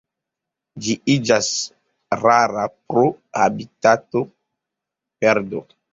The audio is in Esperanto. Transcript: Ĝi iĝas rara pro habitatoperdo.